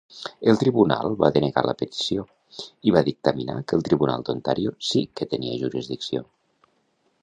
El tribunal va denegar la petició i va dictaminar que el Tribunal d'Ontario sí que tenia jurisdicció.